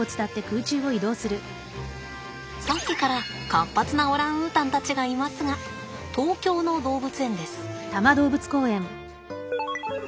さっきから活発なオランウータンたちがいますが東京の動物園です。